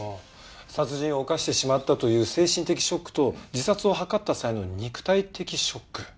殺人を犯してしまったという精神的ショックと自殺を図った際の肉体的ショック。